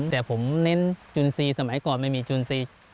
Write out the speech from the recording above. แต่ผมเน้นจุนทรีย์สมัยก่อนไม่มีจุนซี